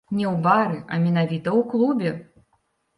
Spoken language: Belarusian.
Не ў бары, а менавіта ў клубе.